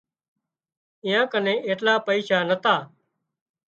ايئان ڪنين ايٽلا پئيشا نتا